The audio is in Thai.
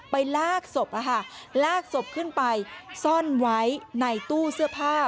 ลากศพลากศพขึ้นไปซ่อนไว้ในตู้เสื้อผ้า